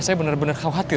saya benar benar khawatir